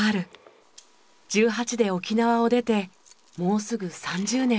１８で沖縄を出てもうすぐ３０年。